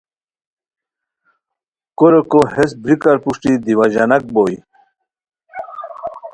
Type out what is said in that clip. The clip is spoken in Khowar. کوریکو ہسے بریکار پروشٹی دیوا ژاناک بوئے